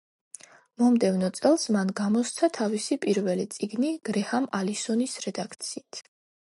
მომდევნო წელს მან გამოსცა თავისი პირველი წიგნი გრეჰამ ალისონის რედაქციით.